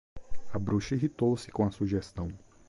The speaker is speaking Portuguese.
A bruxa irritou-se com a sugestão